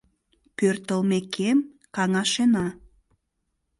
Пӧртылмекем каҥашена.